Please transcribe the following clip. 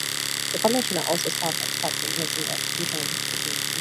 The commissioners also serve as department heads in addition to their legislative functions.